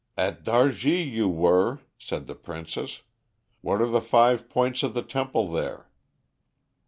"'At Dargi you were,' said the princess. 'What are the five points of the temple there?'